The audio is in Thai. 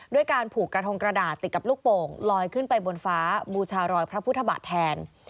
ด้วยการผูกกระทงกระดาษติดกับลูกโป่งลอยขึ้นไปบนฟ้าบูชารอยพระพุทธบาทแทน